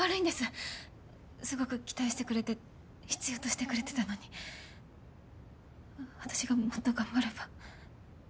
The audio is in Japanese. すごく期待してくれて必要としてくれてたのにわ私がもっと頑張れば。